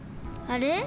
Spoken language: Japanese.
あれ？